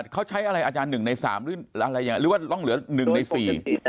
เขาใช้อะไรอาจารย์หนึ่งในสามหรืออะไรอย่างหรือว่าต้องเหลือหนึ่งในสี่